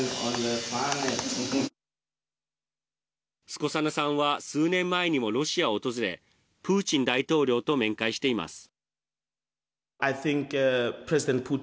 スコサナさんは数年前にもロシアを訪れプーチン大統領と面会しています。